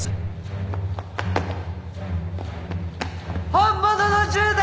本物の銃だ！